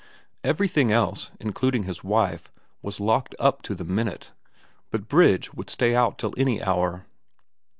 Everything else, including his wife, was locked up to the minute ; but bridge would stay out till any hour.